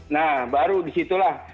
nah baru disitulah